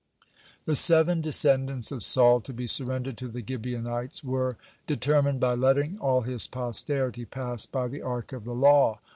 (114) The seven descendants of Saul to be surrendered to the Gibeonites were determined by letting all his posterity pass by the Ark of the law.